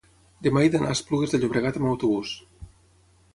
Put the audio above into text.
demà he d'anar a Esplugues de Llobregat amb autobús.